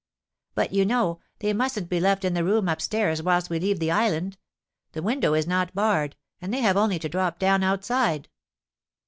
"But, you know, they mustn't be left in the room up stairs whilst we leave the island; the window is not barred, and they have only to drop down outside."